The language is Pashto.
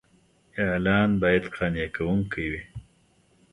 اعلان باید قانع کوونکی وي.